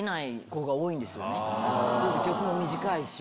曲も短いし。